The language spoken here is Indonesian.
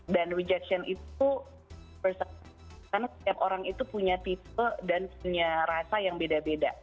dan rejection itu karena setiap orang itu punya tipe dan punya rasa yang beda beda